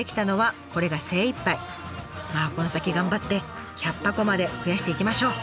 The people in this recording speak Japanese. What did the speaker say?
まあこの先頑張って１００箱まで増やしていきましょう！